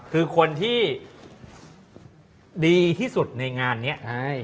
คือคนที่ดีที่สุดในงานนี้